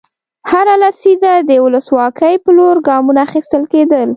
هره لسیزه د ولسواکۍ په لور ګامونه اخیستل کېدل.